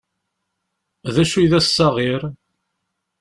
D acu i d assaɣir?